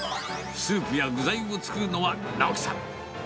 スープや具材を作るのは、尚紀さん。